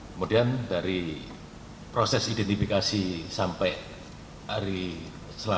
kemudian dari proses identifikasi sampai hari selasa